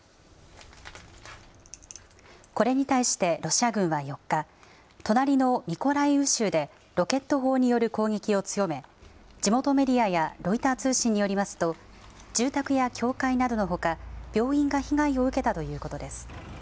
これに対してロシア軍は４日、隣のミコライウ州で、ロケット砲による攻撃を強め、地元メディアやロイター通信によりますと、住宅や教会などのほか、病院が被害を受けたということです。